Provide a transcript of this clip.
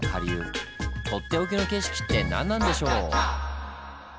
とっておきの景色って何なんでしょう？